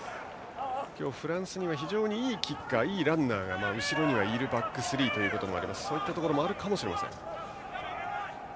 今日フランスには非常にいいキッカーいいランナーが後ろにいるバックスリーですのでそういったこともあるかもしれません。